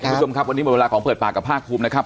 คุณผู้ชมครับวันนี้หมดเวลาของเปิดปากกับภาคภูมินะครับ